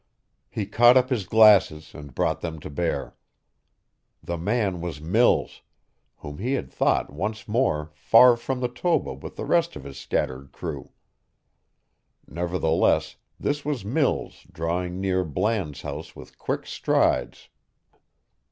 He caught up his glasses and brought them to bear. The man was Mills, whom he had thought once more far from the Toba with the rest of his scattered crew. Nevertheless this was Mills drawing near Bland's house with quick strides.